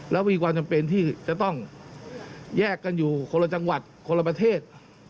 แล้วมีความจำเป็นที่จะต้องแยกกันอยู่คนละจังหวัดคนละประเทศ